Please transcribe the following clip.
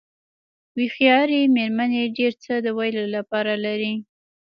هوښیارې مېرمنې ډېر څه د ویلو لپاره لري.